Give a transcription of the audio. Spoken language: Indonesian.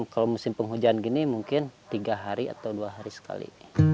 kalau musim penghujan gini mungkin tiga hari atau dua hari sekali